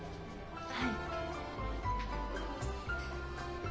はい。